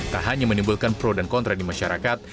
tak hanya menimbulkan pro dan kontra di masyarakat